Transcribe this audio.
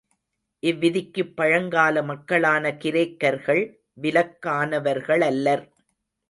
இவ்விதிக்குப் பழங்கால மக்களான கிரேக்கர்கள் விலக்கானவர்களல்லர்.